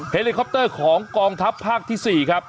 เฮลิคอปเตอร์ของกองทัพภาคที่๔ครับ